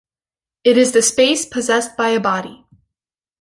It is the space possessed by a body.